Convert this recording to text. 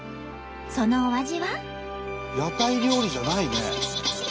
そのお味は。